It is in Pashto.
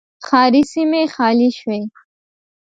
ښاري سیمې خالي شوې